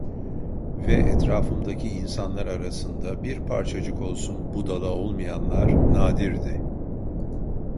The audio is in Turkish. Ve etrafımdaki insanlar arasında bir parçacık olsun budala olmayanlar nadirdi.